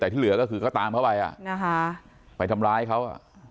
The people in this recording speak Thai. แต่ที่เหลือก็คือเขาตามเขาไปไปทำร้ายเขา